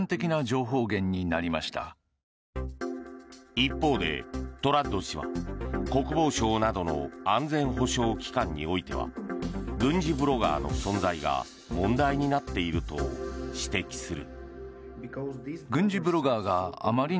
一方で、トラッド氏は国防省などの安全保障機関においては軍事ブロガーの存在が問題になっていると指摘する。